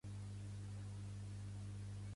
Goethe.